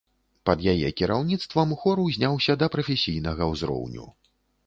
Пад яе кіраўніцтвам хор узняўся да прафесійнага ўзроўню.